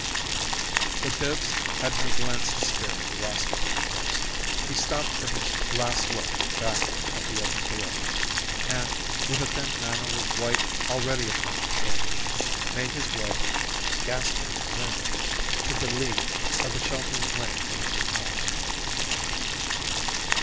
But Bibbs had no glance to spare for Roscoe's windows. He stopped for his last look back at the open door, and, with a thin mantle of white already upon his shoulders, made his way, gasping in the wind, to the lee of the sheltering wing of the New House.